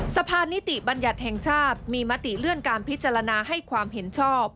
สะพานนิติบัญญัติแห่งชาติมีมติเลื่อนการพิจารณาให้ความเห็นชอบ